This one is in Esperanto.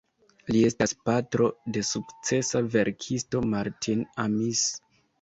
Li estas patro de sukcesa verkisto Martin Amis.